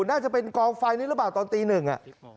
น่าจะเป็นกองไฟนี้หรือเปล่าตอนตีหนึ่งอ่ะ